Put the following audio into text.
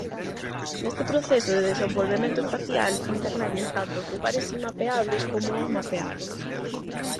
Neste proceso de desenvolvemento espacial interveñen tanto os lugares inmapeables como os mapeables.